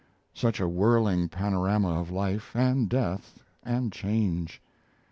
Such a whirling panorama of life, and death, and change!